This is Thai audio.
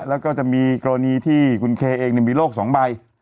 แล้วก็จะมีกรณีที่คุณเคเองมีโรค๒ใบ